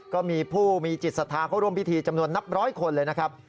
ก็มีผู้มีจิตศรัทธาเข้าร่วมพิธีจำนวนนับร้อยคนเลยนะครับ